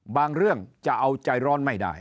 เรื่องจะเอาใจร้อนไม่ได้